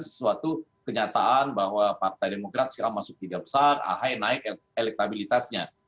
sesuatu kenyataan bahwa partai demokrat sekarang masuk ke bidang besar ahay naik elektabilitasnya